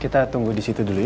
kita tunggu disitu dulu ya